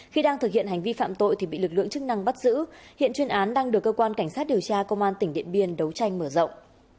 khi đang thực hiện hành vi phạm tội thì bị lực lượng chức năng bắt giữ hiện chuyên án đang được cơ quan cảnh sát điều tra công an tỉnh điện biên đấu tranh mở rộng